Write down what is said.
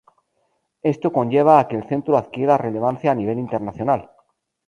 Esto conlleva a que el centro adquiera relevancia a nivel internacional.